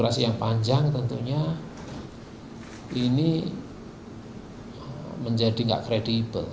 regulasi yang panjang tentunya ini menjadi tidak kredibel